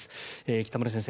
北村先生